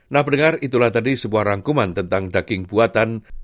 nah pendengar itulah tadi sebuah rangkuman tentang daging buatan